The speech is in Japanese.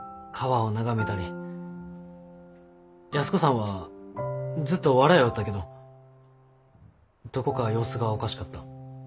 安子さんはずっと笑ようったけどどこか様子がおかしかった。